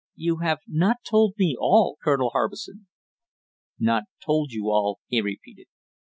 "You have not told me all, Colonel Harbison!" "Not told you all " he repeated.